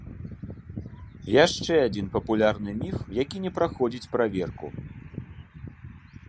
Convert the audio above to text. Яшчэ адзін папулярны міф, які не праходзіць праверку.